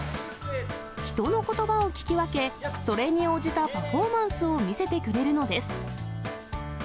人のことばを聞き分け、それに応じたパフォーマンスを見せてくれるのです。